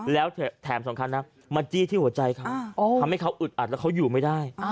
แล้วแถมสำคัญนะมาจี้ที่หัวใจเขาทำให้เขาอึดอัดแล้วเขาอยู่ไม่ได้